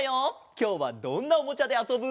きょうはどんなおもちゃであそぶ？